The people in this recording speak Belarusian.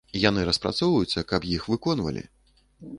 Яны распрацоўваюцца, каб іх выконвалі.